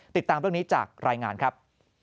ติดตามเรื่องนี้จากรายงานครับ